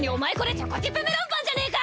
チョコチップメロンパンじゃねぇか！